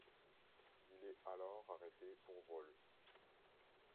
Il est alors arrêté pour vol.